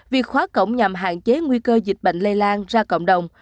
việc khóa cổng nhằm hạn chế nguy cơ dịch bệnh lây lan ra cộng đồng